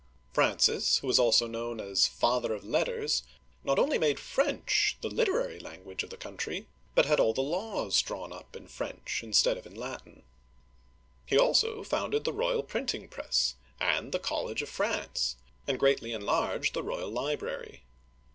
Francis, who was also known as " Father of Letters," not only made French the literary language of the country, but had all the laws drawn up in French instead of in Latin. He also founded the royal printing press and the College of France, and greatly enlarged the royal library.